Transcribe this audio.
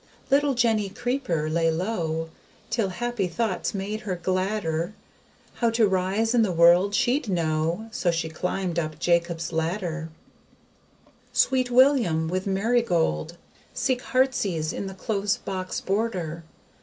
Little JENNY CREEPER lay low, Till happy thoughts made her gladder; How to rise in the world she'd know, So she climbed up JACOB'S LADDER SWEET WILLIAM with MARYGOLD Seek HEARTSEASE in the close box border.